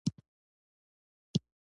د نیورون هسته په حجروي جسم کې ځای لري.